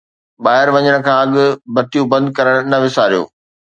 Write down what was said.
ٻاهر وڃڻ کان اڳ بتيون بند ڪرڻ نه وساريو